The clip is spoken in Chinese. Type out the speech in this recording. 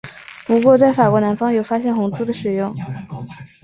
不过在法国南方有发现红赭的使用。